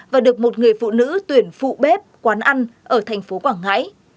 và được một người phụ nữ tuyển phụ bếp quán ăn ở thành phố quảng ngãi